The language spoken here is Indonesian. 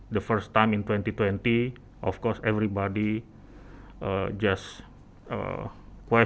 pertama kali di tahun dua ribu dua puluh